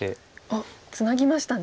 あっツナぎましたね。